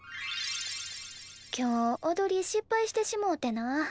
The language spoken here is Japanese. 今日おどり失敗してしもうてな。